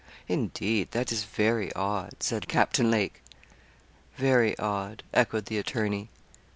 'Indeed! that is very odd,' said Captain Lake. 'Very odd;' echoed the attorney.